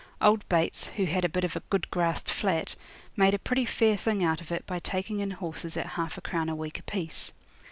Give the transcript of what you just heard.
Old Bates, who had a bit of a good grassed flat, made a pretty fair thing out of it by taking in horses at half a crown a week apiece.